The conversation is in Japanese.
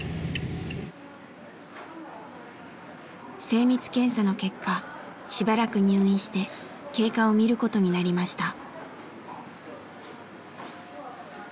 精密検査の結果しばらく入院して経過を見ることになりました。